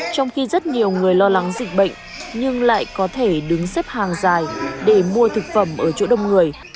trong khi rất nhiều người lo lắng dịch bệnh nhưng lại có thể đứng xếp hàng dài để mua thực phẩm ở chỗ đông người